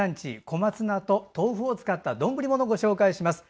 小松菜と豆腐を使った丼ものをご紹介します。